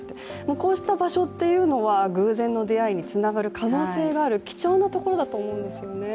こうした場所というのは偶然の出会いにつながる可能性がある貴重なところだと思うんですよね。